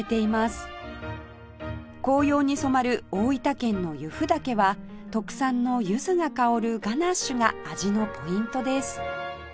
紅葉に染まる大分県の由布岳は特産のゆずが香るガナッシュが味のポイントです